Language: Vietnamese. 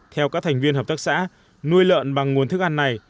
theo các thành viên hợp tác xã nuôi lợn bằng nguồn thức ăn này